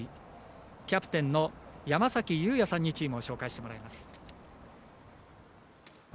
キャプテンの山崎悠矢さんにチームを紹介してもらいます。